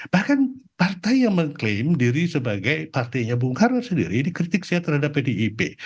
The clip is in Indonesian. bahkan partai yang mengklaim diri sebagai partainya bung karno sendiri dikritik saya terhadap pdip